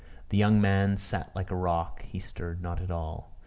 The young man sat like a rock. He stirred not at all.